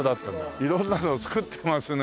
色んなのを作ってますね。